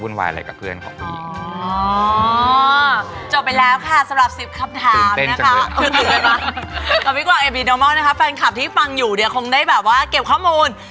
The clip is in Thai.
เดี๋ยวคงได้แบบว่าเก็บข้อมูล